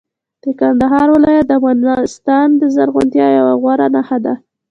د کندهار ولایت د افغانستان د زرغونتیا یوه غوره نښه ده.